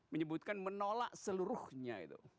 menyebutkan menolak seluruhnya